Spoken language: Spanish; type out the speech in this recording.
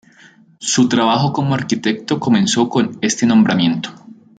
Su trabajo como arquitecto comenzó con este nombramiento.